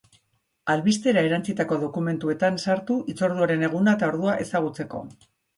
Albistera erantsitako dokumentuetan sartu hitzorduaren eguna eta ordua ezagutzeko.